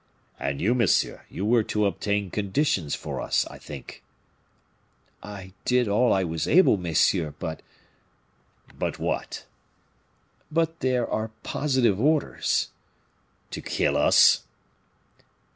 "And you, monsieur, you were to obtain conditions for us, I think?" "I did all I was able, messieurs, but " "But what?" "But there are positive orders." "To kill us?"